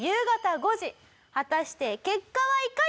果たして結果はいかに！？